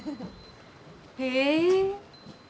へえ。